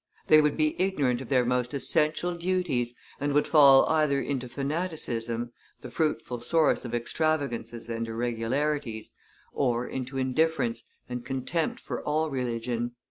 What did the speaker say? They would be ignorant of their most essential duties, and would fall either into fanaticism, the fruitful source of extravagances and irregularities, or into indifference and contempt for all religion."